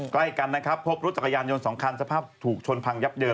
ใกล้กันนะครับพบรถจักรยานยนต์๒คันสภาพถูกชนพังยับเยิน